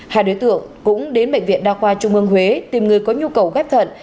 hai đối tượng cũng đến bệnh viện đa khoa trung ương huế tìm người có nhu cầu ghép thận